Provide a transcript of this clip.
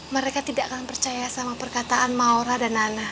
mereka tidak akan percaya sama perkataan maura dan nana